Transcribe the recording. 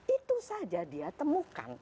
itu saja dia temukan